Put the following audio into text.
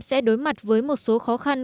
sẽ đối mặt với một số khó khăn